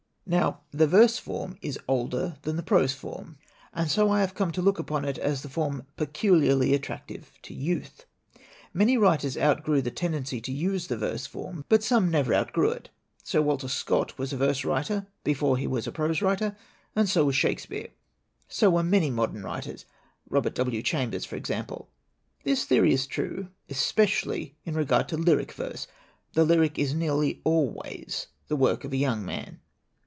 "Now, the verse form is older than the prose form. And so I have come to look upon it as the form peculiarly attractive to youth. Many writers outgrew the tendency to use the verse form, but some never outgrew it. Sir Walter Scott was a verse writer before he was a prose writer, and so was Shakespeare. So were many 146 SIXTEEN DON'TS FOR POETS modern writers Robert W. Chambers, for ex ample. 4 'This theory is true especially in regard to lyric verse. The lyric is nearly always the work of a young man.